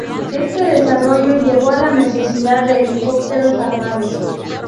Este desarrollo llevó a la necesidad de helicópteros armados.